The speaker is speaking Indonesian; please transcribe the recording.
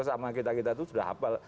sama kita kita itu sudah hafal